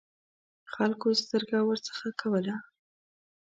خلکو سترګه ورڅخه کوله.